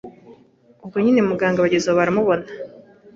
Ubwo nyine umuganga bageze aho baramubona